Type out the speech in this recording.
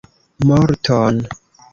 Morton!